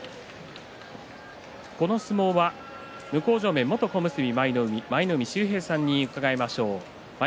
この相撲は向正面元小結舞の海舞の海秀平さんに伺いましょう。